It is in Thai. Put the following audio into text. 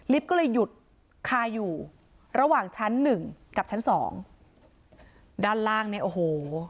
ก็เลยหยุดคาอยู่ระหว่างชั้นหนึ่งกับชั้นสองด้านล่างเนี่ยโอ้โห